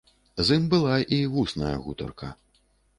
З ім была і вусная гутарка.